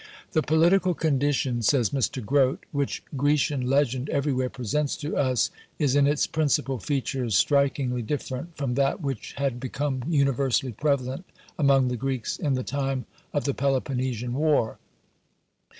"The political condition," says Mr. Grote, "which Grecian legend everywhere presents to us, is in its principal features strikingly different from that which had become universally prevalent among the Greeks in the time of the Peloponnesian War.